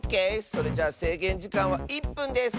それじゃあせいげんじかんは１ぷんです！